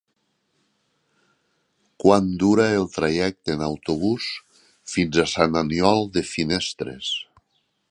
Quant dura el trajecte en autobús fins a Sant Aniol de Finestres?